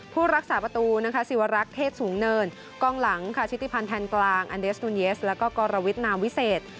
ผู้รักษาประตูนะคะสิวรักษ์เทศสูงเนินกล้องหลังค่ะชิติพันธ์กลางอันเดสตูนเยสแล้วก็กรวิทนามวิเศษ